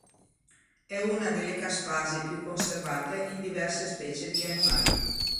È una delle caspasi più conservate in diverse specie di animali.